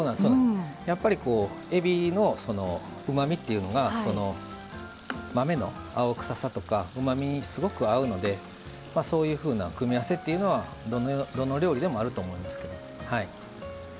やっぱり、えびのうまみっていうのが豆の青臭さとかうまみにすごく合うのでそういうふうな組み合わせっていうのはどの料理でもあると思います。